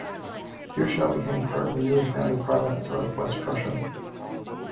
Dirschau became part of the newly founded Province of West Prussia.